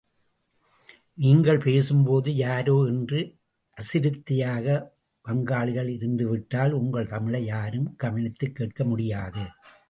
நீங்கள் பேசும்போது யாரோ என்று அசிரத்தையாக வங்காளிகள் இருந்துவிட்டால் உங்கள் தமிழை யாரும் கவனித்துக் கேட்க முடியாது.